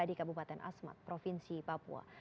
di kabupaten asmat provinsi papua